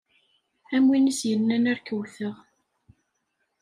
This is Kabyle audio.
Am win i s-yennan ar k-wwteɣ.